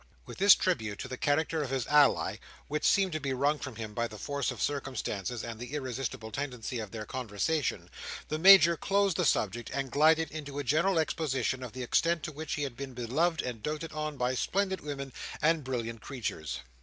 With this tribute to the character of his ally, which seemed to be wrung from him by the force of circumstances and the irresistible tendency of their conversation, the Major closed the subject, and glided into a general exposition of the extent to which he had been beloved and doted on by splendid women and brilliant creatures.